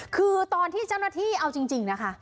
คือตอนที่เจ้าหน้าที่เอาจริงนะคะ